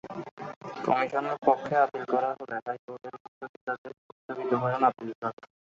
কমিশনের পক্ষে আপিল করা হলে হাইকোর্টের স্থগিতাদেশ স্থগিত করেন আপিল বিভাগ।